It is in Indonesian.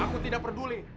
aku tidak peduli